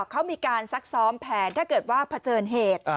เขามีการซักซ้อมแผนถ้าเกิดว่าเผชิญเหตุ